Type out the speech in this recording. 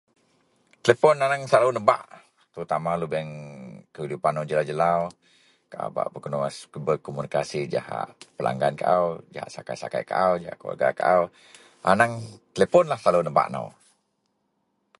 Telefon aneng selalu nebak terutama lubeang kehidupan nou jelau-jelau. Kaau bak berko berkomunikasi jahak pelanggan kaau, jahak sakai-sakai kaau, jahak keluwerga kaau. Aneng teleponlah selalu nebak nou.